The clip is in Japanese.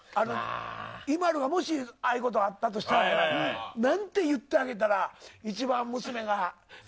ＩＭＡＬＵが、もしああいうことがあったとしたらなんて言ってあげたら一番娘が。